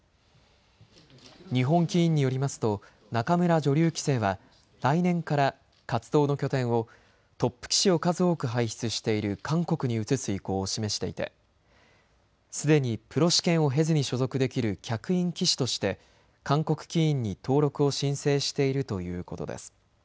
日本棋院によりますと仲邑女流棋聖は来年から活動の拠点をトップ棋士を数多く輩出している韓国に移す意向を示していてすでにプロ試験を経ずに所属できる客員棋士として韓国棋院に登録を申請しているということです。